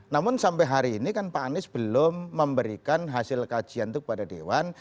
namun sampai hari ini kan pak anies belum memberikan hasil kajian itu kepada dewan